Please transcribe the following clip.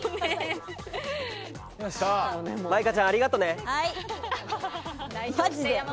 舞香ちゃんありがとね。